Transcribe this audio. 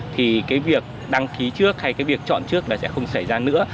thì cái việc đăng ký trước hay cái việc chọn trước là sẽ không xảy ra nữa